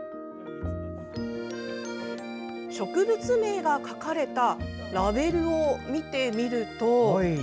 植物名が書かれたラベルを見てみると。